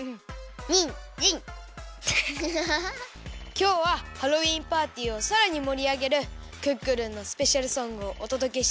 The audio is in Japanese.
きょうはハロウィーンパーティーをさらにもりあげるクックルンのスペシャルソングをおとどけしちゃいナス！